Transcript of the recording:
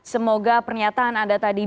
semoga pernyataan anda tadi